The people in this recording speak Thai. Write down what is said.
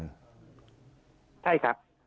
ใช่ครับ